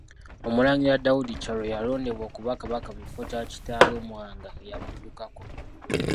Omulangira Daudi Chwa lwe yalondebwa okuba Kabaka mu kifo kya kitaawe Mwanga eyabuddukako.